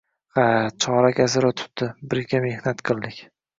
Ha, chorak asr oʻtibdi, birga mehnat qildik.